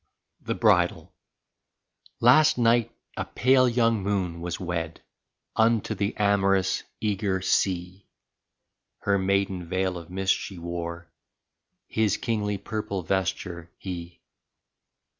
35 THE BRIDAL Last night a pale young Moon was wed Unto the amorous, eager Sea; Her maiden veil of mist she wore His kingly purple vesture, he.